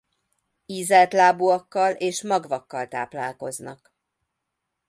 Ízeltlábúakkal és magvakkal táplálkoznak.